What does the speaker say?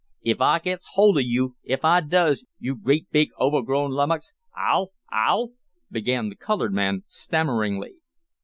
"Ef I gits holt on yo' ef I does, yo' great, big, overgrown lummox, Ah'll Ah'll " began the colored man, stammeringly.